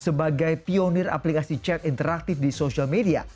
sebagai pionir aplikasi chat interaktif di social media